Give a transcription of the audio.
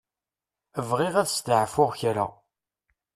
Bɣiɣ ad steɛfuɣ kra.